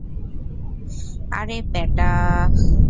আরে, ব্যাটা।